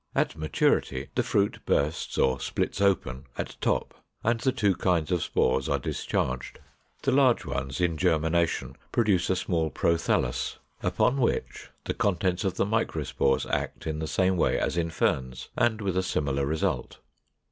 At maturity the fruit bursts or splits open at top, and the two kinds of spores are discharged. The large ones in germination produce a small prothallus; upon which the contents of the microspores act in the same way as in Ferns, and with a similar result.